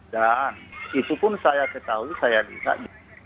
dan itu pun saya ketahui saya lihat